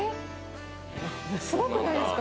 すごくないですか？